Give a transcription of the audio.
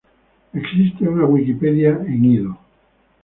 Existe una Wikipedia en ido.